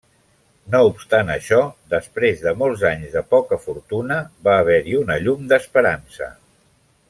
No obstant això, després de molts anys de poca fortuna, va haver-hi una llum d'esperança.